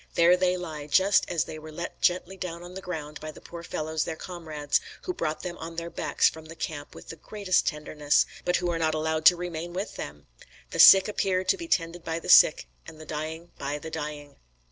There they lie, just as they were let gently down on the ground by the poor fellows, their comrades, who brought them on their backs from the camp with the greatest tenderness, but who are not allowed to remain with them. The sick appear to be tended by the sick, and the dying by the dying."